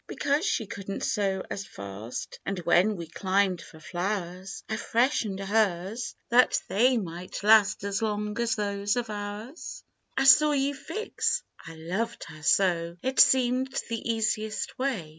"Because she couldn't sew as fast; And when we climbed for flowers, I freshened hers that they might last As long as those of ours 68 THE TWO FKIENDS. "I saw you fix; I loved her so, It seemed the easiest way.